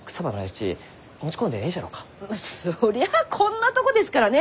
そりゃあこんなとこですからね